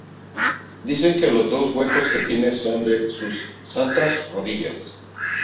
Dicen que los dos huecos que tiene son de sus santas rodillas.